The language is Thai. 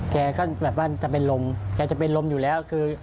แกก็แบบว่าจะเป็นลมแกจะเป็นลมอยู่แล้วคือ